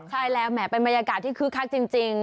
ใช่แล้วแหมเป็นบรรยากาศที่คึกคักจริง